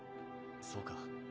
そうか。